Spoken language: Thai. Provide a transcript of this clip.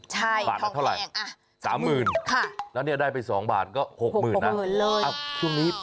ใช่ทองแพงสามหมื่นค่ะแล้วนี่ได้ไปสองบาทก็หกหมื่นนะอ่ะช่วงนี้